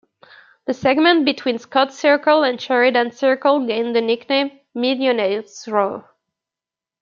The segment between Scott Circle and Sheridan Circle gained the nickname "Millionaires' Row".